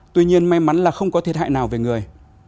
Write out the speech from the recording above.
tuy nhiên may mắn là không có thiệt hại nào về người